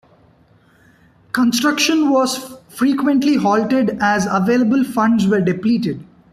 Construction was frequently halted as available funds were depleted.